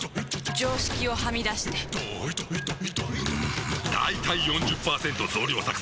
常識をはみ出してんだいたい ４０％ 増量作戦！